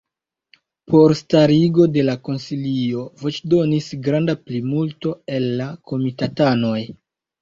Por starigo de la konsilio voĉdonis granda plimulto el la komitatanoj.